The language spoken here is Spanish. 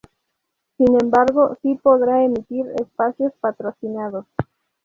Sin embargo, si podrá emitir espacios patrocinados.